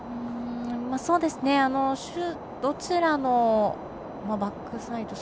そうですねどちらのバックサイドも。